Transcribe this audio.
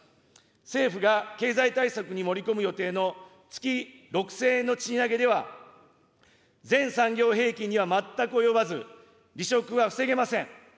政府が経済対策に盛り込む予定の月６０００円の賃上げでは、全産業平均には全く及ばず、離職は防げません。